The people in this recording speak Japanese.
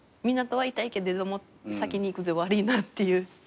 みんなとはいたいけれども先に行くぜわりぃなっていう。